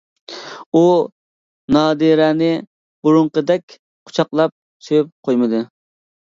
ئۇ نادىرەنى بۇرۇنقىدەك قۇچاقلاپ سۆيۈپ قويمىدى.